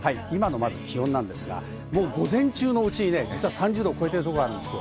今のまず気温なんですが、もう午前中のうちにね、実は３０度を超えてるとこあるんですよ。